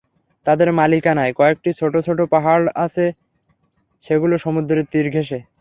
তাদের মালিকানায় কয়েকটি ছোট ছোট পাহাড়ও আছে, সেগুলো সমুদ্রের তীর ঘেঁষে।